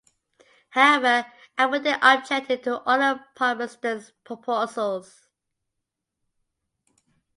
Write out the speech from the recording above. However, Aberdeen objected to all of Palmerston's proposals.